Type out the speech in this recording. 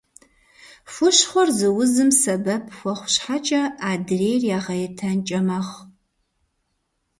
Хущхъуэр зы узым сэбэп хуэхъу щхьэкӏэ, адрейр игъэятэнкӏэ мэхъу.